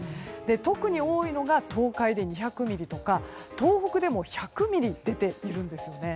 特に多いのが東海で２００ミリとか東北でも１００ミリと出ているんです。